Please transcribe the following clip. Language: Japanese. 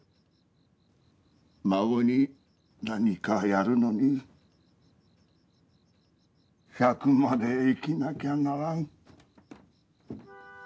孫に何かやるのに百まで生きなきゃならん。